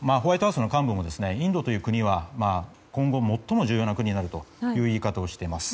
加えて幹部もインドという国は今後最も重要な国になるという言い方をしています。